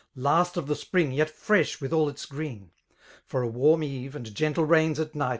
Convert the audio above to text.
Last of the springs yet fresh with aJQ its green ; For a warm eve^ and gentle rains at night.